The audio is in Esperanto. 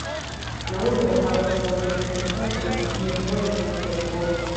La urbo havas bonajn kontaktojn je vojo kaj fervojo.